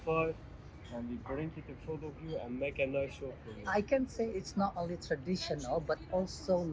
saya bisa mengatakan bahwa ini bukan hanya tradisional tapi juga sebuah kebenaran